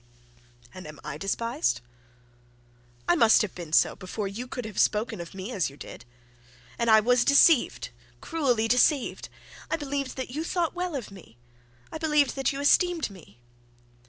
'And am I despised?' 'I must have been so before you could have spoken of me as you did. And I was deceived, cruelly deceived. I believed that you thought well of me; I believed that you esteemed me.'